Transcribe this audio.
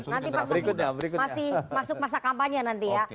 nanti masih masuk masa kampanye nanti ya